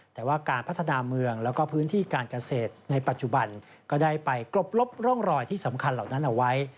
แต่ว่าการพัฒนาเมืองแล้วก็พื้นที่การเกษตรในปัจจุบันก็ได้ไปกรบลบร่องรอยที่สำคัญเหล่านั้นเอาไว้